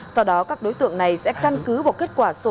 sau đó các đối tượng này sẽ căn cứ vào kết quả sổ số